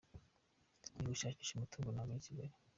Ndi gushakisha umutungo nagura i Kigali.